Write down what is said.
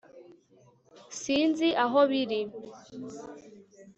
sinzi aho biri